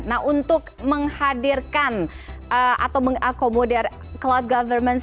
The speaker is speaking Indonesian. nah untuk menghadirkan atau mengakomodir cloud government